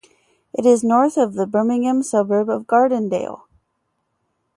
It is north of the Birmingham suburb of Gardendale.